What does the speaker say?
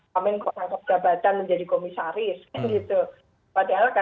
karena ternyata wamen kurang terdapatkan menjadi komisaris